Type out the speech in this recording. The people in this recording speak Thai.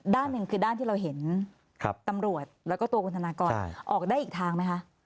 ด้านหนึ่งคือด้านที่เราเห็นตำรวจแล้วก็ตัวคุณธนากรออกได้อีกทางไหมคะ